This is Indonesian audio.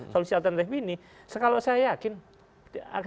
solusi alternatif ini kalau saya yakin